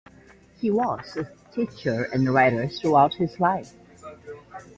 He was a teacher and writer throughout his life.